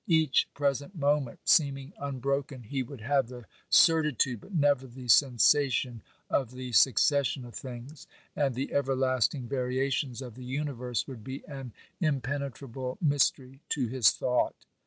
Each present moment seeming unbroken, he would have the certitude but never the sensation of the succession of things ; and the everlasting variations of the universe would be an impenetrable mystery to his thought.